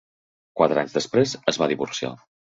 Quatre anys després es va divorciar.